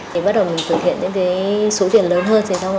thì bắt đầu mình thực hiện những cái số tiền lớn hơn rồi